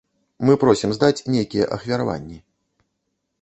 Мы просім здаць нейкія ахвяраванні.